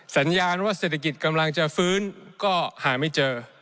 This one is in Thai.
สัญญาณว่าเศรษฐกิจกำลังจะฟื้นก็หาไม่เจอ